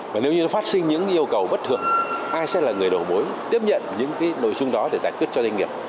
và nếu như nó phát sinh những yêu cầu bất thường ai sẽ là người đầu mối tiếp nhận những cái nội dung đó để giải quyết cho doanh nghiệp